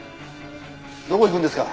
どこ行くんですか？